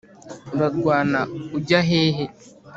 urarwana ujya hehe’